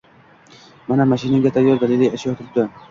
Mana, mashinangda tayyor daliliy ashyo turibdi